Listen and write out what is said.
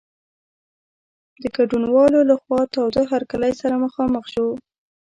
د ګډونوالو له خوا تاوده هرکلی سره مخامخ شو.